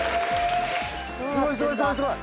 すごいすごいすごいすごい。